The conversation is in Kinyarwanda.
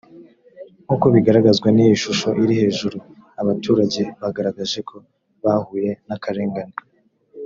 nk uko bigaragazwa n iyi shusho iri hejuru abaturage bagaragaje ko bahuye n akarengane